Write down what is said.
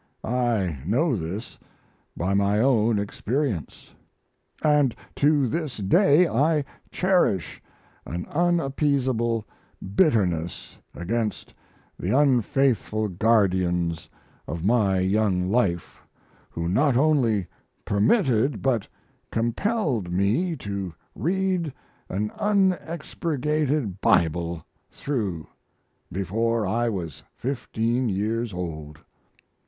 I know this by my own experience, & to this day I cherish an unappeasable bitterness against the unfaithful guardians of my young life, who not only permitted but compelled me to read an unexpurgated Bible through before I was 15 years old.